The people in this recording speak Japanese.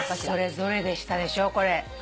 それぞれでしたでしょ。